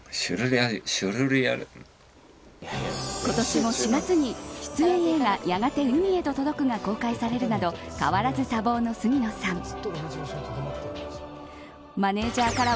今年も４月に出演映画やがて海へと届くが公開されるなど変わらず多忙の杉野さん。